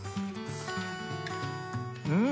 うん！